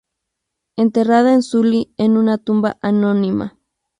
Enterrada en Sully en una tumba anónima.